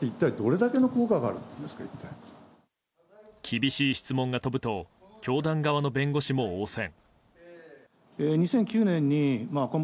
厳しい質問が飛ぶと教団側の弁護士も応戦。